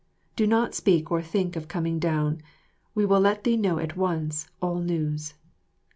Do not speak or think of coming down. We will let thee know at once all news.